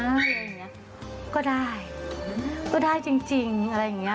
อะไรอย่างเงี้ยก็ได้ก็ได้จริงจริงอะไรอย่างเงี้